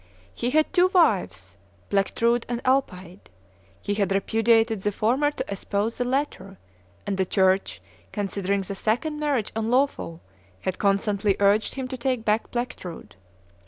He had two wives, Plectrude and Alpaide; he had repudiated the former to espouse the latter, and the church, considering the second marriage unlawful, had constantly urged him to take back Plectrude.